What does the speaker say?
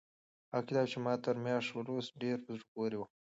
هغه کتاب چې ما تېره میاشت ولوست ډېر په زړه پورې و.